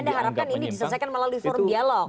jadi anda harapkan ini diselesaikan melalui forum dialog